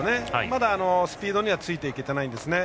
まだスピードにはついていけていないですね。